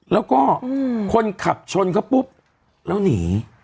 แล้วก็คนขับชนเขาปุ๊บแล้วหนี